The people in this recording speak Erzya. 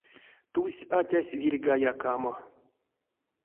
Тусь атясь вирьга якамо.